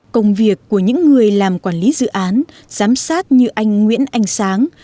công việc của những người làm quản lý dự án giám sát như anh nguyễn anh sáng